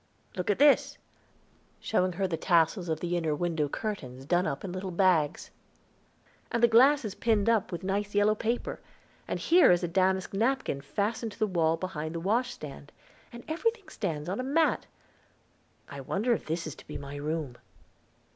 Look at this," showing her the tassels of the inner window curtains done up in little bags. "And the glass is pinned up with nice yellow paper; and here is a damask napkin fastened to the wall behind the washstand. And everything stands on a mat. I wonder if this is to be my room?"